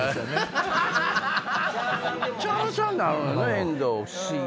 遠藤不思議。